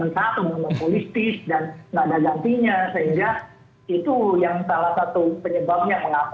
lalu ada perusahaan yang lain yang mengelola data dengan lebih baik dan dianggap lebih aman